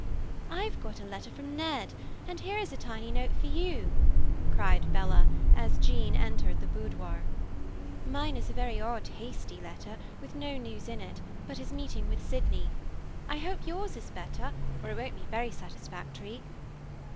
"I've got a letter from Ned, and here is a tiny note for you," cried Bella as Jean entered the boudoir. "Mine is a very odd, hasty letter, with no news in it, but his meeting with Sydney. I hope yours is better, or it won't be very satisfactory."